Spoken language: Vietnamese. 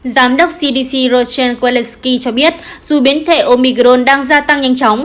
giám đốc cdc rochelle kowalski cho biết dù biến thể omicron đang gia tăng nhanh chóng